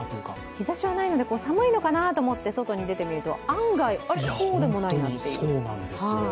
日ざしはないので寒いのかなと思って外に出てみると案外、あれ、そうでもないなという。